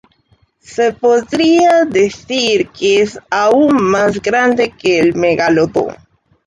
Se podría decir que es aún más grande que el Megalodon.